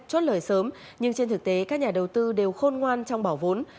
chốt lời sớm nhưng trên thực tế các nhà đầu tư đều khôn ngoan trong bỏ vốn